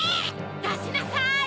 だしなさい！